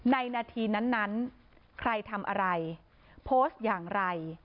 นาทีนั้นใครทำอะไรโพสต์อย่างไร